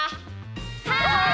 はい！